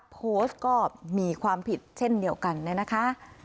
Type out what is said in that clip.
โพสต์ก็มีความผิดเช่นเดียวกันเนี่ยนะคะ